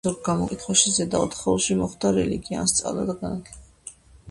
ზოგ გამოკითხვაში ზედა ოთხეულში მოხვდა რელიგია, ან სწავლა-განათლება.